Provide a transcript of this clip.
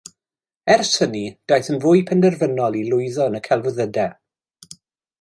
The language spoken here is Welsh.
Ers hynny daeth yn fwy penderfynol i lwyddo yn y celfyddydau